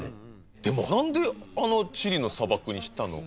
でも何であのチリの砂漠にしたの？